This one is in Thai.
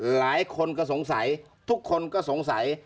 หลายคนก็สงสัยทุกคนก็สงสัย